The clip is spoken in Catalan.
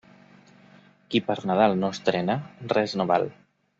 Qui per Nadal no estrena, res no val.